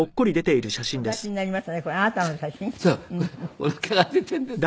おなかが出ているんですけど。